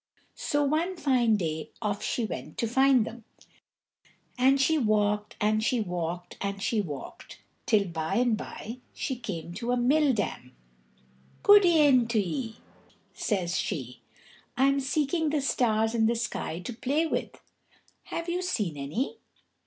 So one fine day off she went to find them. And she walked and she walked and she walked, till by and by she came to a mill dam. "Goode'en to ye," says she, "I'm seeking the stars in the sky to play with. Have you seen any?"